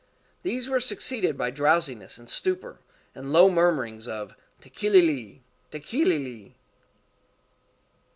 These were succeeded by drowsiness and stupor, and low murmurings of _"'Tekeli li! Tekeli li!"